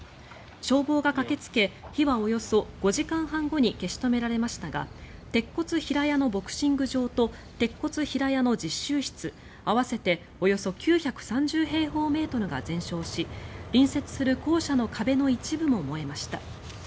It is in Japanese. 消防が駆けつけ火はおよそ５時間半後に消し止められましたが鉄骨平屋のボクシング場と鉄骨平屋の実習室合わせておよそ９３０平方メートルが全焼し隣接する校舎の壁の一部も燃えました。